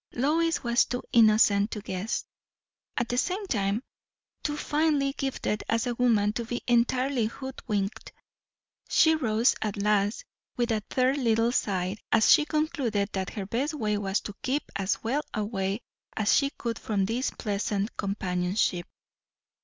Lois was too innocent to guess; at the same time too finely gifted as a woman to be entirely hoodwinked. She rose at last with a third little sigh, as she concluded that her best way was to keep as well away as she could from this pleasant companionship.